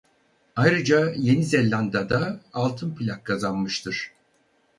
Ayrıca Yeni Zelanda'da altın plak kazanmıştır.